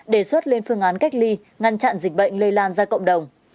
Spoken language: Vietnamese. đề xuất lên phương án cách ly ngăn chặn dịch bệnh lây lan ra cộng đồng